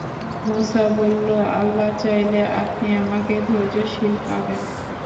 মূসা বলল, আল্লাহ চাইলে আপনি আমাকে ধৈর্যশীল পাবেন।